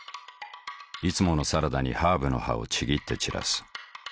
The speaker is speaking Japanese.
いつものサラダにハーブの葉をちぎって散らす。